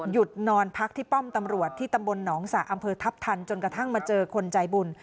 นอนพักที่ป้อมตำรวจที่ตำบลหนองสะอำเภอทัพทันจนกระทั่งมาเจอคนใจบุญ